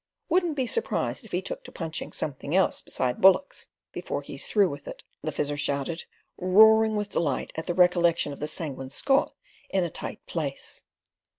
"Wouldn't be surprised if he took to punching something else besides bullocks before he's through with it," the Fizzer shouted, roaring with delight at the recollection of the Sanguine Scot in a tight place.